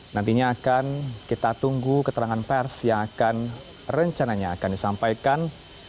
nantinya akan kita tunggu keterangan pers yang akan rencananya akan disampaikan